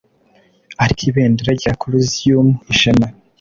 Ariko ibendera rya Clusium ishema